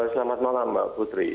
selamat malam mbak putri